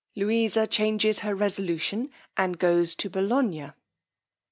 Louisa changes her resolution and goes to Bolognia_.